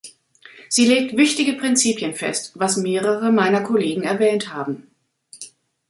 Sie legt wichtige Prinzipien fest, was mehrere meiner Kollegen erwähnt haben.